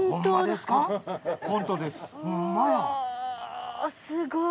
すごい！